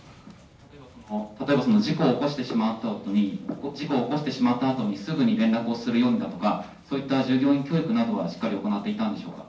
例えば事故を起こしてしまったあとに、すぐに連絡をするんだとかそういった従業員教育などはしっかり行っていたんでしょうか。